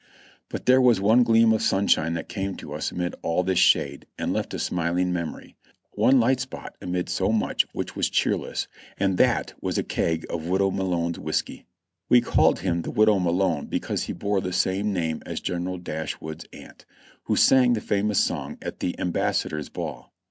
But there was one gleam of sunshine that came to us amid all this shade, and left a smiling memory ; one light spot amid so much which was cheerless, and that was a keg of Widow Malone's whiskey. We called him "the Widow Malone" because he bore the same name as General Dashwood's aunt, who sang the famous song at the Embassador's ball.